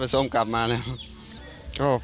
ปลาส้มกลับมาถึงบ้านโอ้โหดีใจมาก